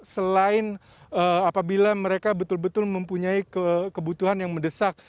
selain apabila mereka betul betul mempunyai kebutuhan yang mendesak